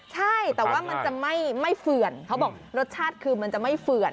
ใช่แต่ว่ามันจะไม่เฝื่อนเขาบอกรสชาติคือมันจะไม่เฝื่อน